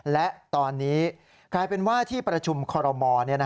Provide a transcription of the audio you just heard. และตอนนี้กลายเป็นว่าที่ประชุมคอรมอล